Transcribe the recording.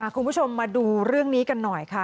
คุณผู้ชมมาดูเรื่องนี้กันหน่อยค่ะ